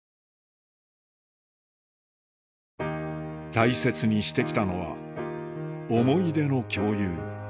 大切にしてきたのは思い出の共有